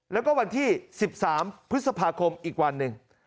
แล้วก็วันที่๑๓พฤษภาคมอีกวันหนึ่ง